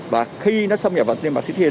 và khi nó xâm nhập vào niêm mạc trước tiên